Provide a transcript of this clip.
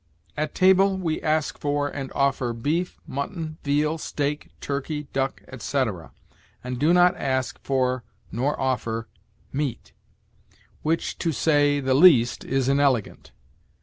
At table, we ask for and offer beef, mutton, veal, steak, turkey, duck, etc., and do not ask for nor offer meat, which, to say the least, is inelegant.